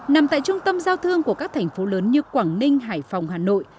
nằm tại trung tâm giao thương của các thành phố lớn như quảng ninh hải phòng hà nội